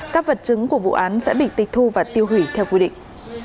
các vật chứng của vụ án sẽ bị tịch thu và tiêu hủy theo quy định